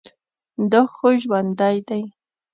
دا خو ژوندى دى.